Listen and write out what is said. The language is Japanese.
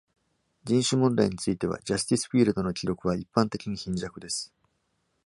人種問題については、ジャスティスフィールドの記録は一般的に貧弱です。